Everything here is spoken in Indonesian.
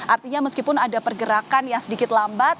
artinya meskipun ada pergerakan yang sedikit lambat